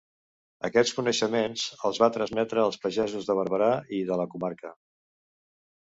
Aquests coneixements els va transmetre als pagesos de Barberà i de la comarca.